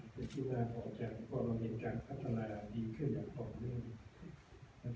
เป็นที่น่าพอแจ้งก็เราเห็นการอัตภัณฑ์ดีขึ้นอย่างต่อเนื่อง